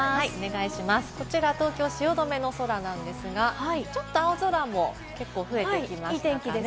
こちら東京・汐留の空なんですが、ちょっと青空も増えてきましたね。